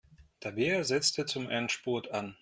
Tabea setzte zum Endspurt an.